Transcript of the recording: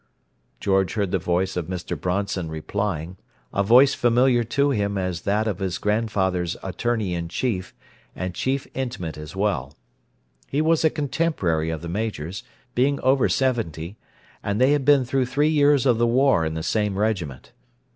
George heard the voice of Mr. Bronson replying—a voice familiar to him as that of his grandfather's attorney in chief and chief intimate as well. He was a contemporary of the Major's, being over seventy, and they had been through three years of the War in the same regiment.